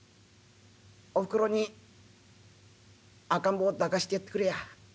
おふくろに赤ん坊抱かしてやってくれや。